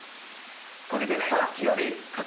焦げてないか？